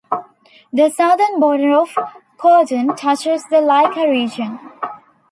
The southern border of Kordun touches the Lika region.